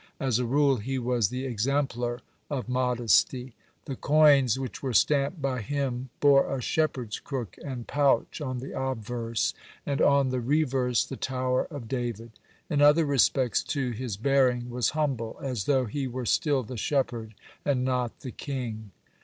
As a rule he was the exemplar of modesty. The coins which were stamped by him bore a shepherd's crook and pouch on the obverse, and on the reverse the Tower of David. (85) In other respects, too, his bearing was humble, as though he were still the shepherd and not the king.